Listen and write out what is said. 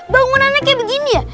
bangunannya kayak begini ya